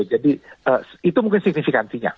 jadi itu mungkin signifikansinya